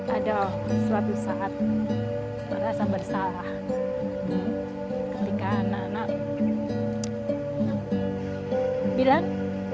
ada suatu saat merasa bersalah ketika anak anak bilang